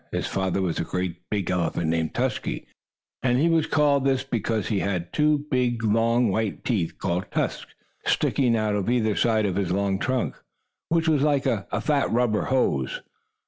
His father was a great big elephant, named Tusky, and he was called this because he had two big, long, white teeth, called tusks, sticking out on either side of his long trunk, which was like a fat rubber hose.